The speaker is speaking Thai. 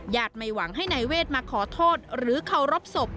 ไม่หวังให้นายเวทมาขอโทษหรือเคารพศพ